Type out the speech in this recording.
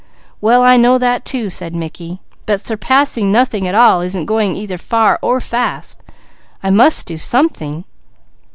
"Well I know that too," said Mickey. "But surpassing nothing at all isn't going either far or fast. I must do something."